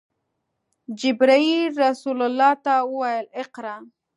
جبرئیل رسول الله ته وویل: “اقرأ!”